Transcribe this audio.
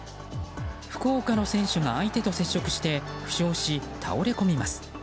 福岡の選手が相手と接触して負傷し倒れこみます。